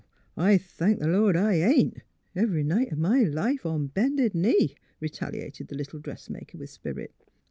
'' I thank th' Lord I ain't, every night o' my life, on bended knee !" retaliated the little dressmaker, with spirit.